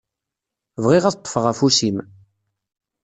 Bɣiɣ ad ṭṭfeɣ afus-im.